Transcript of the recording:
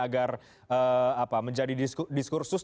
agar menjadi diskursus